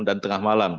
dan tengah malam